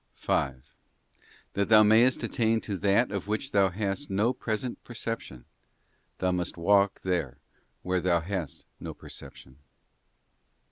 5. That thou mayest attain to that of which thou hast no present perception, thou must walk there where thou hast no perception.